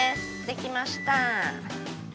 できました。